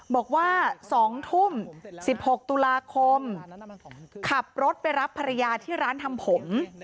บอกว่า๒ทุ่ม๑๖ตุลาคมขับรถไปรับภรรยาที่ร้านทำผม